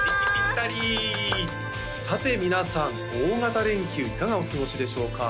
さて皆さん大型連休いかがお過ごしでしょうか？